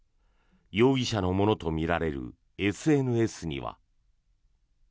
容疑者のものとみられるＳＮＳには。